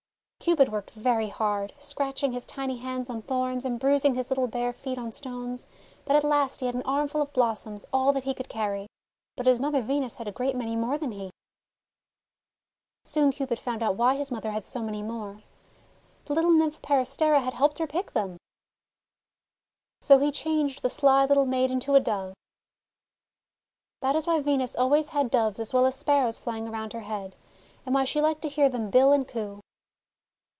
Cupid worked very hard, scratching his tiny hands on thorns, and bruising his little bare feet on stones, but at last he had an armful of blos soms, all that he could carry. But his mother Venus had a great many more than he. Soon Cupid found out why his mother had so many more the little Nymph Peristera had helped her pick them! CUPID AMONG THE ROSES 59 So he changed the sly little maid into a Dove. That is why Venus always had Doves as well as Sparrows flying around her head, and why she liked to hear them bill and coo.